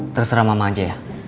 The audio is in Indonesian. terserah mama aja ya